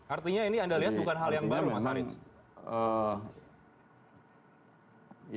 artinya ini anda lihat bukan hal yang baru mas haris